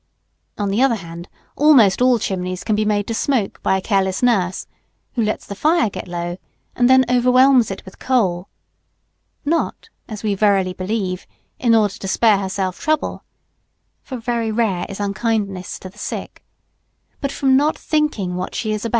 On the other hand, almost all chimneys can be made to smoke by a careless nurse, who lets the fire get low and then overwhelms it with coal; not, as we verily believe, in order to spare herself trouble, (for very rare is unkindness to the sick), but from not thinking what she is about.